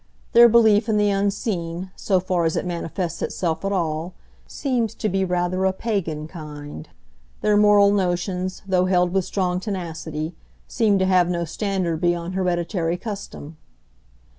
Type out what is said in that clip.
Their belief in the Unseen, so far as it manifests itself at all, seems to be rather a pagan kind; their moral notions, though held with strong tenacity, seem to have no standard beyond hereditary custom.